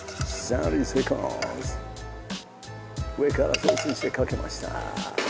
上からソースにしてかけました。